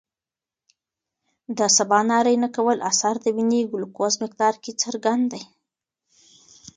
د سباناري نه کولو اثر د وینې ګلوکوز مقدار کې څرګند دی.